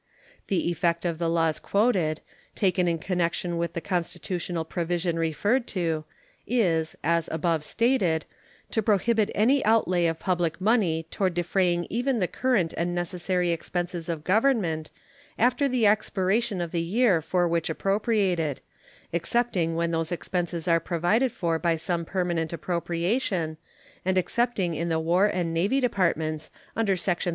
The effect of the laws quoted, taken in connection with the constitutional provision referred to, is, as above stated, to prohibit any outlay of public money toward defraying even the current and necessary expenses of Government after the expiration of the year for which appropriated, excepting when those expenses are provided for by some permanent appropriation, and excepting in the War and Navy Departments, under section 3732.